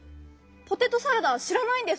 「ポテトサラダ」をしらないんですか？